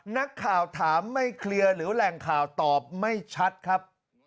นักข่าวถามไม่เคลียร์หรือแหล่งข่าวตอบไม่ชัดครับ